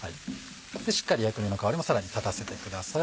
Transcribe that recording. しっかり薬味の香りもさらに立たせてください。